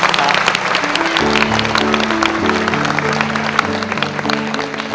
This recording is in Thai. ขอบคุณครับ